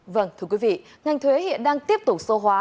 vâng thưa quý vị ngành thuế hiện đang tiếp tục sâu hóa